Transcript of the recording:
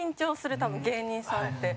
多分、芸人さんって。